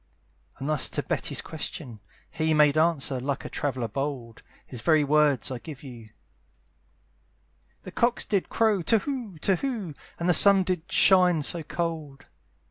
And thus to Betty's question, he Made answer, like a traveller bold, (His very words I give to you,) "The cocks did crow to whoo, to whoo, "And the sun did shine so cold."